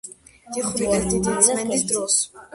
დახვრიტეს დიდი წმენდის დროს.